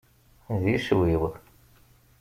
D iswi-w.